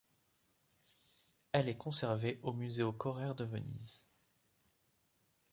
Elle est conservée au Museo Correr de Venise.